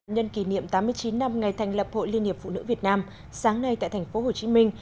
nhân kỷ niệm tám mươi chín năm ngày thành lập hội liên hiệp phụ nữ việt nam sáng nay tại thành phố hồ chí minh